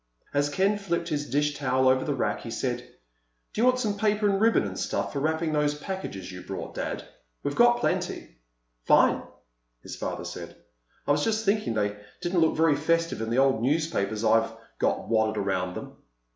As Ken flipped his dish towel over the rack, he said, "Do you want some paper and ribbon and stuff for wrapping up those packages you brought, Dad? We've got plenty." "Fine," his father said. "I was just thinking they didn't look very festive in the old newspapers I've got wadded around them."